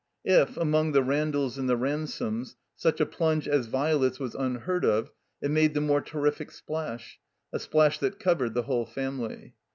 If, among the Randalls and the Ransomes, such a plunge as Violet's was unheard of, it made the more terrific splash, a splash that covered the whole family.